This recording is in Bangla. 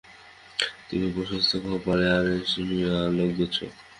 তেমনি প্রশস্ত কপাল আর রেশমি অলকগুচ্ছ।